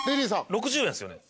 ６０円ですよね。